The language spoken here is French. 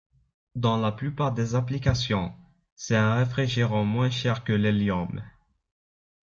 Dans la plupart des applications, c'est un réfrigérant moins cher que l'hélium.